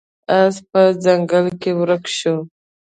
اس په ځنګل کې ورک شو.